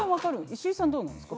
石井さんどうなんですか？